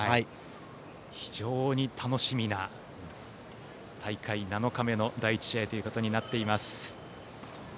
非常に楽しみな大会７日目の第１試合となっています。